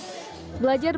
belajar bahasa inggris